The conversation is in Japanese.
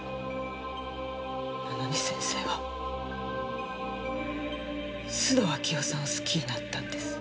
なのに先生は須藤明代さんを好きになったんです。